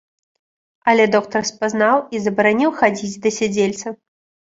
Але доктар спазнаў і забараніў хадзіць да сядзельца.